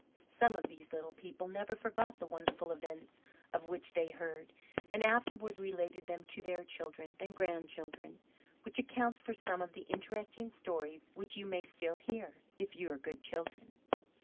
Some of these little people never forgot the wonderful events of which they heard, and afterward related them to their children and grandchildren, which accounts for some of the interesting stories which you may still hear, if you are good children.